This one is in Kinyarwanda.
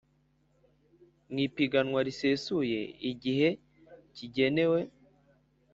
Mu ipiganwa risesuye igihe kigenewe